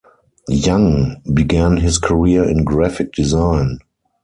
Young began his career in graphic design.